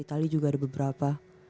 itali juga ada beberapa